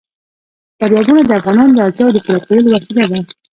دریابونه د افغانانو د اړتیاوو د پوره کولو وسیله ده.